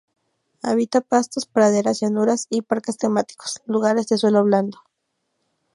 Habita pastos, praderas, llanuras y parques temáticos; lugares de suelo blando.